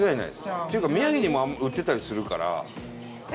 っていうか宮城にも売ってたりするから。